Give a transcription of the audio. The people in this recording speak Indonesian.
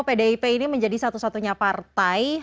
pdip ini menjadi satu satunya partai